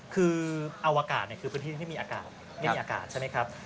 คืออวกาศคือพื้นที่ไม่มีอากาศไม่มีอากาศใช่ไหมครับ